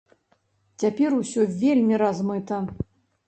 Цяпер усё вельмі размыта.